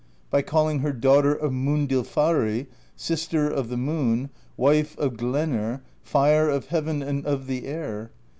By calling her Daughter of Mundilfari, Sister of the Moon, Wife of Glenr, Fire of Heaven and of the Air.